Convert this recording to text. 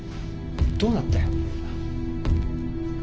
どうなったよ。